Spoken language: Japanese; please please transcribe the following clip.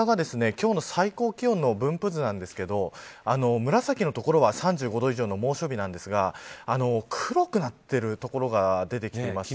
今日の最高気温の分布図なんですが紫の所は３５度以上の猛暑日なんですが黒くなっている所が出てきています。